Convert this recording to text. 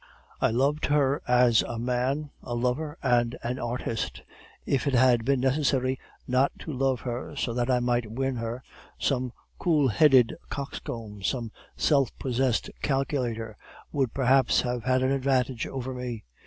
I loved her as a man, a lover, and an artist; if it had been necessary not to love her so that I might win her, some cool headed coxcomb, some self possessed calculator would perhaps have had an advantage over me.